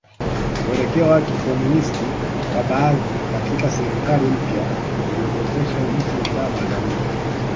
Mwelekeo wa Kikomunisti wa baadhi katika serikali mpya uliogopesha nchi za Magharibi